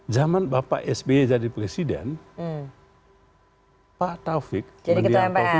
zaman bapak sby jadi presiden pak taufik menjadi ketua mpa